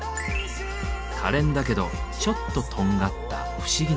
かれんだけどちょっととんがった不思議な魅力。